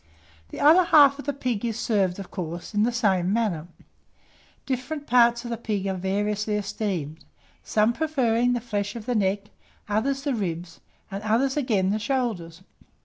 The other half of the pig is served, of course, in the same manner. Different parts of the pig are variously esteemed; some preferring the flesh of the neck; others, the ribs; and others, again, the shoulders.